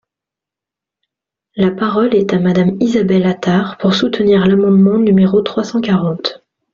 La parole est à Madame Isabelle Attard, pour soutenir l’amendement numéro trois cent quarante.